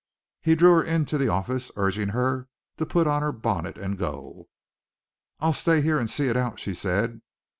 He drew her into the office, urging her to put on her bonnet and go. "I'll stay here and see it out," she said.